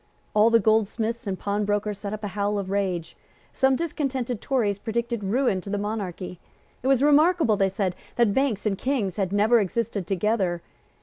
All the goldsmiths and pawnbrokers set up a howl of rage. Some discontented Tories predicted ruin to the monarchy. It was remarkable, they said, that Banks and Kings had never existed together.